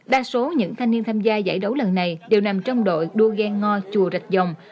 đa số những thanh niên tham gia giải đấu lần này đều nằm trong đội đua ghen ngo chùa rạch dòng